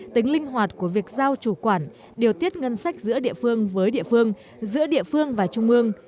tính linh hoạt của việc giao chủ quản điều tiết ngân sách giữa địa phương với địa phương giữa địa phương và trung ương